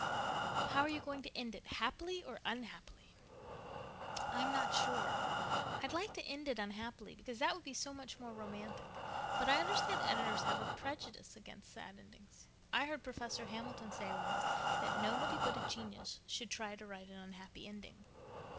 "How are you going to end it—happily or unhappily?" "I'm not sure. I'd like it to end unhappily, because that would be so much more romantic. But I understand editors have a prejudice against sad endings. I heard Professor Hamilton say once that nobody but a genius should try to write an unhappy ending.